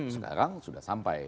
sekarang sudah sampai